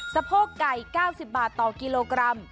สะโพกไก่๙๐บาทต่อกิโลกรัม